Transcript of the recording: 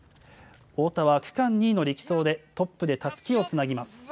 太田は区間２位の力走でトップでたすきをつなぎます。